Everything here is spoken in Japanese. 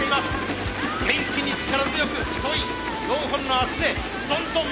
元気に力強く太い４本の脚でどんどん前に進む！